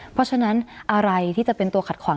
เพราะฉะนั้นอะไรที่จะเป็นตัวขัดขวาง